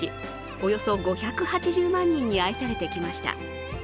およそ５８０万人に愛されてきました